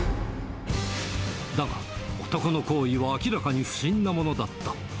だが、男の行為は明らかに不審なものだった。